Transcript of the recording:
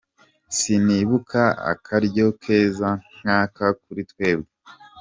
Sinibuka akaryo keza nk'aka kuri twebwe.